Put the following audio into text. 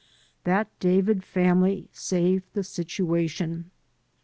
That David family saved the situation.